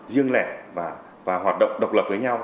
riêng lẻ và hoạt động độc lập với nhau